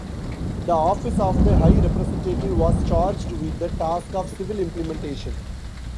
The Office of the High Representative was charged with the task of civil implementation.